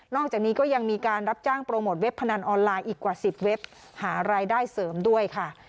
อกจากนี้ก็ยังมีการรับจ้างโปรโมทเว็บพนันออนไลน์อีกกว่า๑๐เว็บหารายได้เสริมด้วยค่ะ